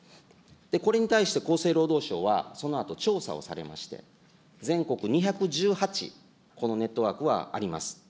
これに対して厚生労働省は、そのあと調査をされまして、全国２１８、このネットワークはあります。